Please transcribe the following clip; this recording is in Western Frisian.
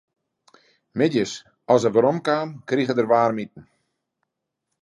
Middeis as er werom kaam, krige er waarmiten.